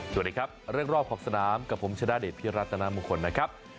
สวัสดีครับเรื่องรอบขอบสนามกับผมชนะเดชพิรัตนามงคลนะครับ